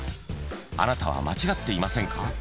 ［あなたは間違っていませんか？］